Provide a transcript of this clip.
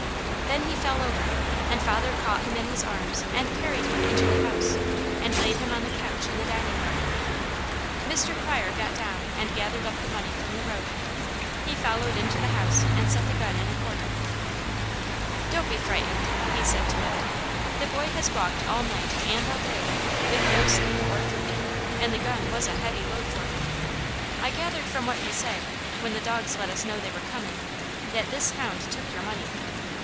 Then he fell over and father caught him in his arms and carried him into the house, and laid him on the couch in the dining room. Mr. Pryor got down and gathered up the money from the road. He followed into the house and set the gun in the corner. "Don't be frightened," he said to mother. "The boy has walked all night, and all day, with no sleep or food, and the gun was a heavy load for him. I gathered from what he said, when the dogs let us know they were coming, that this hound took your money.